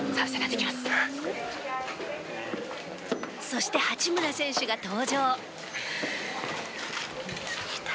そして八村選手が登場。